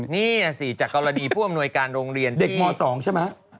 นี่สิจากกรณีผู้อำนวยการโรงเรียนเด็กม๒ใช่ไหม